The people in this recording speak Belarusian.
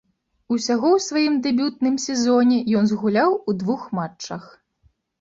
Усяго ў сваім дэбютным сезоне ён згуляў у двух матчах.